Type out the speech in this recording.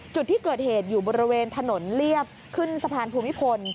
จุดที่เกิดเหตุอยู่บริเวณถนนเรียบขึ้นสะพานภูมิพล